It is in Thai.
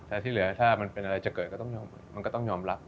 แต่ที่เหลือถ้ามันเป็นอะไรจะเกิดก็ต้องยอมรับ